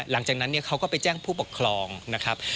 หลังจากนั้นเขาก็ไปแจ้งผู้ปกครองนะครับ